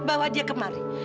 bawa dia kemari